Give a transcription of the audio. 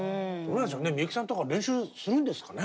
みゆきさんとか練習するんですかね？